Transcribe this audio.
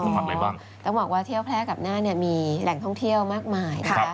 ต้องบอกว่าเที่ยวแพร่กับน่านเนี่ยมีแหล่งท่องเที่ยวมากมาย